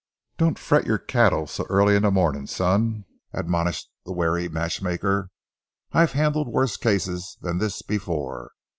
"Don't fret your cattle so early in the morning, son," admonished the wary matchmaker. "I've handled worse cases than this before.